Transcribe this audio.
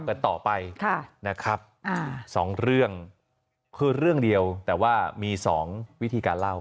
กันต่อไปนะครับสองเรื่องคือเรื่องเดียวแต่ว่ามี๒วิธีการเล่า